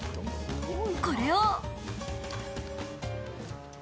これを。